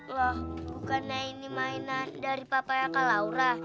lah bukannya ini mainan dari papaya kak laura